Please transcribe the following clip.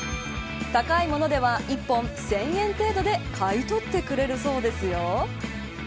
高いものでは１本１０００円程度で買い取ってくれるそうですよ。